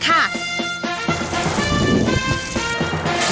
ก็จะมากค่ะ